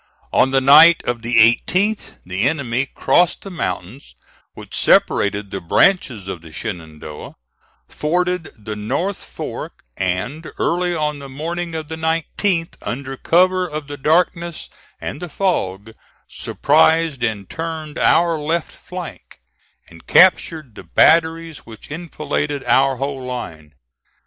On the night of the 18th, the enemy crossed the mountains which separate the branches of the Shenandoah, forded the North Fork, and early on the morning of the 19th, under cover of the darkness and the fog, surprised and turned our left flank, and captured the batteries which enfiladed our whole line.